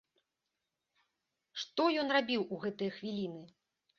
Што ён рабіў у гэтыя хвіліны?